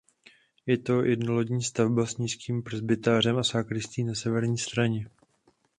Je to jednolodní stavba s nízkým presbytářem a sakristií na severní straně.